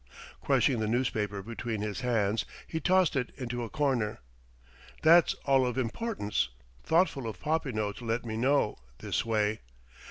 '" Crushing the newspaper between his hands, he tossed it into a corner. "That's all of importance. Thoughtful of Popinot to let me know, this way!